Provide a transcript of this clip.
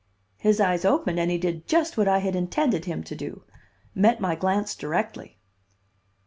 His eyes opened, and he did just what I had intended him to do, met my glance directly.